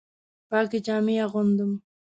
پاکې جامې اغوندم